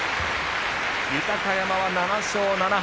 豊山は７勝７敗。